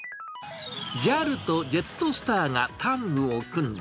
ＪＡＬとジェットスターがタッグを組んだ